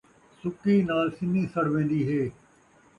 سُکٓی نال سنّی سڑوین٘دی ہے